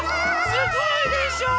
すごいでしょう。